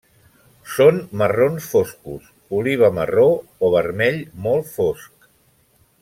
Són marrons foscos, oliva marró o vermell molt fosc.